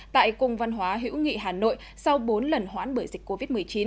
tại cung văn hóa hữu nghị hà nội sau bốn lần hoãn bởi dịch covid một mươi chín